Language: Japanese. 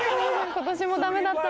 「今年もダメだった」。